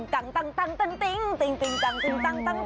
คุณไปฟังที่ไหนบ้าง